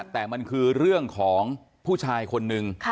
แต่มันคือเรื่องของผู้ชายคนนึง